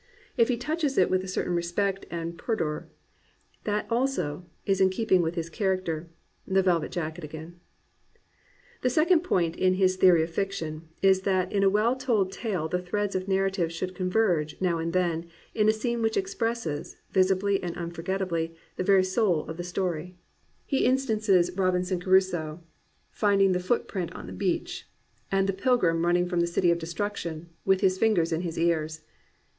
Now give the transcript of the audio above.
If he touches it with a certain respect and pudoTy that also is in keeping with his character, — the velvet jacket again. The second point in his theory of fiction is that in a well told tale the threads of narrative should converge, now and then, in a scene which expresses, visibly and unforgettably, the very soul of the story. 383 COMPANIONABLE BOOKS He instances Robinson Crusoe finding the foot print on the beach, and the Pilgrim running from the City of Destruction with his fingers in his ears.